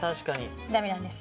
ダメなんです。